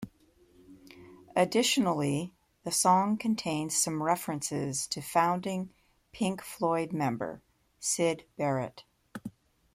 Additionally, the song contains some references to founding Pink Floyd member, Syd Barrett.